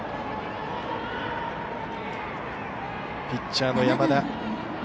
ピッチャーの山田。